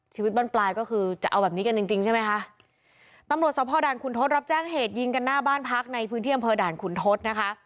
บ้านปลายก็คือจะเอาแบบนี้กันจริงจริงใช่ไหมคะตำรวจสภด่านขุนทศรับแจ้งเหตุยิงกันหน้าบ้านพักในพื้นที่อำเภอด่านขุนทศนะคะ